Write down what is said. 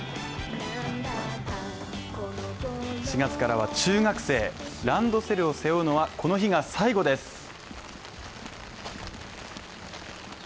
４月からは中学生、ランドセルを背負うのはこの日が最後です。